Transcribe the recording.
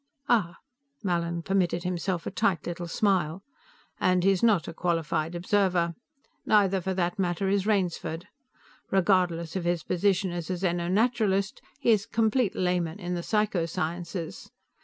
"Ah." Mallin permitted himself a tight little smile. "And he's not a qualified observer. Neither, for that matter, is Rainsford. Regardless of his position as a xeno naturalist, he is a complete layman in the psychosciences.